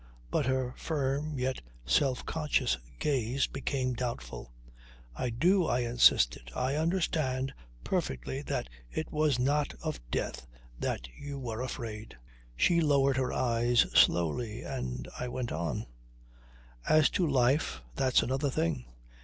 But her firm yet self conscious gaze became doubtful. "I do," I insisted. "I understand perfectly that it was not of death that you were afraid." She lowered her eyes slowly, and I went on: "As to life, that's another thing.